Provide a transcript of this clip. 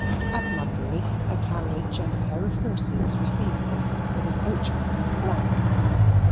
At Mudbury a carriage and a pair of horses received them, with a coachman in black.